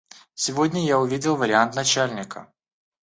Сегодня я увидел вариант начальника.